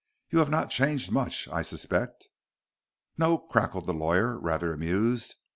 "You have not changed much, I suspect." "No," cackled the lawyer, rather amused.